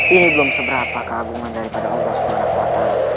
ini belum seberapa keagungan daripada allah swt